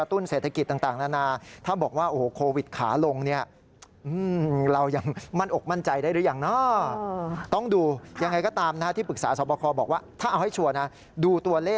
ทีนี้ก็ต้องดูไงว่าจะออมไซต์แบบ๑๐๐ได้